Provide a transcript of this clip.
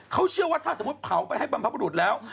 เขาเชื่อว่าถ้าสมมุติเผาไปให้บรรพบรุษแล้ว